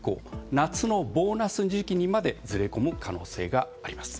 夏のボーナス時期にまでずれ込む可能性があります。